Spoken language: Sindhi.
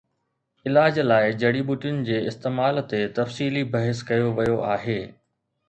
علاج لاءِ جڙي ٻوٽين جي استعمال تي تفصيلي بحث ڪيو ويو آهي